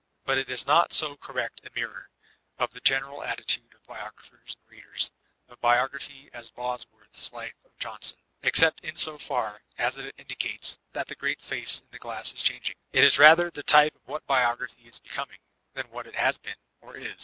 But it b not so correct a mirror of the general attitude of biographers and readers of bio graphy as Bosworth's Life of Johnson, except in so far as it indicates that the great face in the glass b chaqg Lttekatxjbe the MntsoR op Man 373 11^. It 18 rather the type of what biography is becoming, than what it has been, or is.